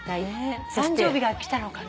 誕生日が来たのかな？